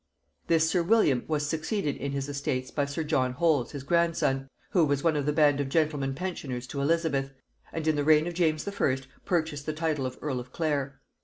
This sir William was succeeded in his estates by sir John Holles his grandson, who was one of the band of gentlemen pensioners to Elizabeth, and in the reign of James I. purchased the title of earl of Clare.